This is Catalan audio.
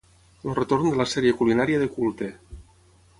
El retorn de la sèrie culinària de culte